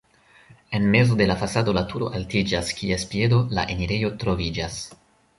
En mezo de la fasado la turo altiĝas, kies piedo la enirejo troviĝas.